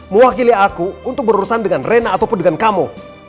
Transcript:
mewakili aku untuk berurusan dengan rena ataupun dengan kamu